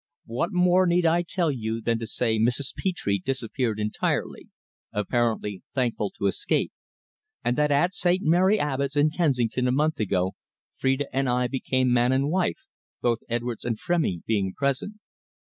What more need I tell you than to say Mrs. Petre disappeared entirely, apparently thankful to escape, and that at St. Mary Abbots, in Kensington, a month ago, Phrida and I became man and wife, both Edwards and Frémy being present.